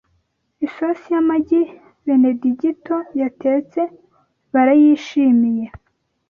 Isosi y'amagi Benedigito yatetse barayishimiye